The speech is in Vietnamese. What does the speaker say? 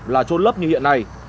là trôn lấp như hiện nay